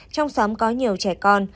trong xóm có nhiều trẻ con